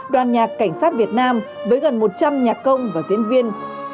đoàn nhạc cảnh sát việt nam với gần một trăm linh nhạc công và diễn viên